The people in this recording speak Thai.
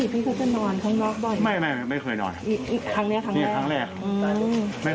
อีกครั้งเนี่ยครั้งแรกไม่เคยเลย